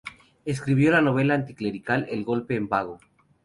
Escribió la novela anticlerical "El golpe en vago.